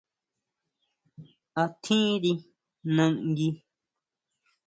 ¿A tjiri nangui?